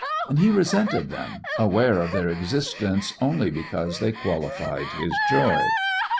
And he resented them, aware of their existence only because they qualified his joy.